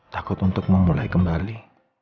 takut untuk memulai kembali